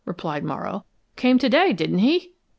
repeated Morrow. "Came to day, didn't he?"